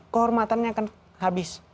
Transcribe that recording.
kehormatannya akan habis